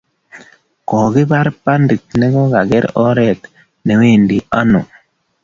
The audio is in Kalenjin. Kokigar pundit ne kokakoger oret newendi aino